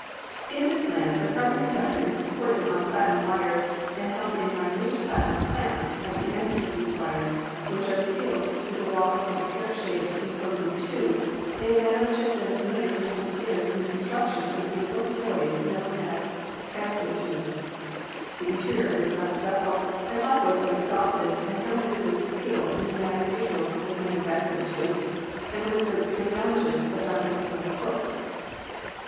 "In this lamp the carbon conductor is supported on plati num wires and held in minute platinum clamps at the ends of these wires, which are sealed through the walls of the pear shaped enclosing tube in the manner which has been HISTORY OF ELECTRIC LIGHTING 239 familiar for twenty years in the construction of the beau tiful toys known as 'Geissler tubes/ The interior of this glass vessel had likewise been exhausted and hermetically sealed in the manner usual with many Geissler tubes and with the radiometers of Dr. William Crookes."